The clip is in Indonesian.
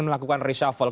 yang melakukan reshuffle